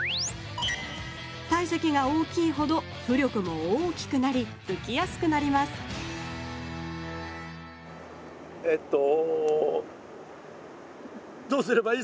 体積が大きいほど浮力も大きくなりうきやすくなりますえっとどうすればいい？